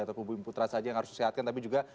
atau pembuim putra saja yang harus disihatkan tapi juga